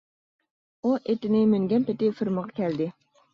ئۇ ئېتىنى مىنگەن پېتى فېرمىغا كەلدى.